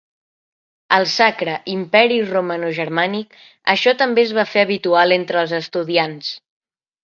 Al Sacre Imperi Romanogermànic, això també es va fer habitual entre els estudiants.